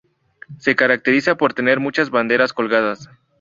Se caracteriza por tener muchas banderas colgadas.